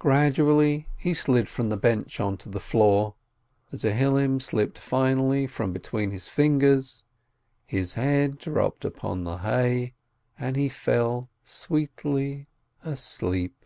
Gradually he slid from the bench onto the floor; the Psalter slipped finally from between his fingers, his head dropped onto the hay, and he fell sweetly asleep